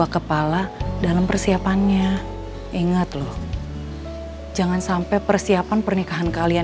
kepala dalam persiapannya ingat loh jangan sampai persiapan pernikahan kalian